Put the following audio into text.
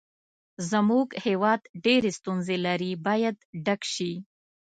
زموږ هېواد ډېرې ستونزې لري باید ډک شي.